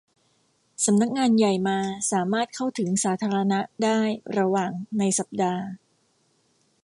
สำนักงานใหญ่มาสามารถเข้าถึงสาธารณะได้ระหว่างในสัปดาห์